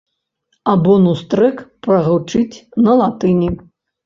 А бонус трэк прагучыць на латыні.